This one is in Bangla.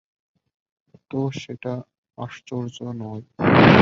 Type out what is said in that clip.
তা, সেটা আশ্চর্য নয়।